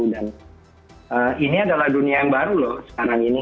dan ini adalah dunia yang baru loh sekarang ini